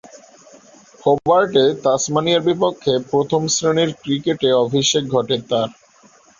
হোবার্টে তাসমানিয়ার বিপক্ষে প্রথম-শ্রেণীর ক্রিকেটে অভিষেক ঘটে তার।